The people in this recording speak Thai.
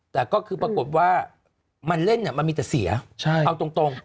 แต่ก็คือปรากฏว่ามันเล่นมันมีแต่เสียเอาตรง